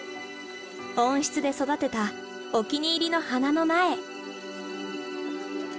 温室で育てたお気に入りの花の苗。